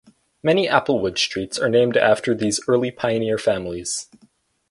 Many Applewood streets are named after these early pioneer families.